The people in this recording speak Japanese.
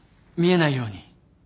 見えないように。